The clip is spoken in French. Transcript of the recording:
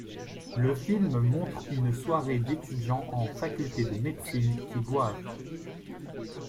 Le film montre une soirée d'étudiants en faculté de médecine qui boivent.